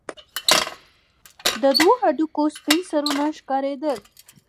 د دوو هډوکو سپين سرونه ښكارېدل.